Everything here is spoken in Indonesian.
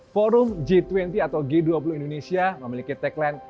forum g dua puluh atau g dua puluh indonesia memiliki tagline